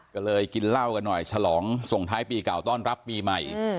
ก็เลยกินเหล้ากันหน่อยฉลองส่งท้ายปีเก่าต้อนรับปีใหม่